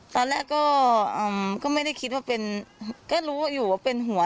ตอนแรกก็ไม่ได้คิดว่าเป็นก็รู้อยู่ว่าเป็นหัว